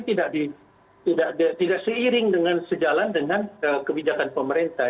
tidak seiring dengan sejalan dengan kebijakan pemerintah